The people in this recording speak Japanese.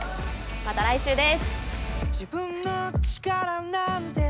また来週です。